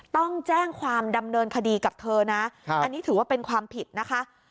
ต้องแจ้งความดำเนินคดีกับเธอนะอันนี้ถือว่าเป็นความผิดนะคะ